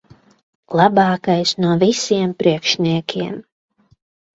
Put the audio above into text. Labākais no visiem priekšniekiem.